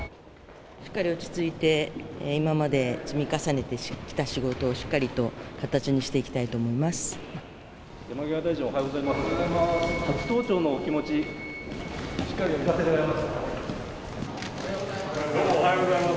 しっかり落ち着いて、今まで積み重ねてきた仕事を、しっかりと形にしていきたいと思い山際大臣、おはようございまおはようございます。